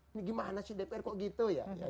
ini gimana sih dpr kok gitu ya